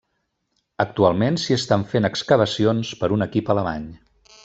Actualment s'hi estan fent excavacions per un equip alemany.